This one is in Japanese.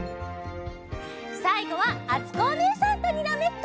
さいごはあつこおねえさんとにらめっこ！